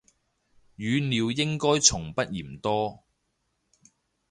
語料應該從不嫌多